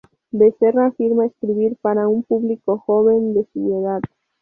Bezerra afirma escribir para un público joven, de su edad.